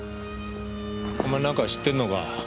お前なんか知ってんのか。